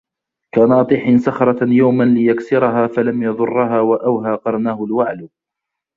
كناطح صخرة يوما ليكسرها فلم يضرها وأوهى قرنه الوعل